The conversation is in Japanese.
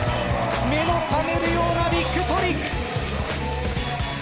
目の覚めるようなビッグトリック！